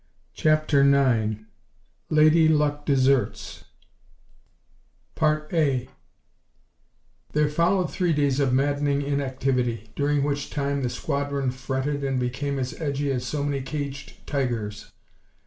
CHAPTER IX Lady Luck Deserts 1 There followed three days of maddening inactivity, during which time the squadron fretted and became as edgy as so many caged tigers.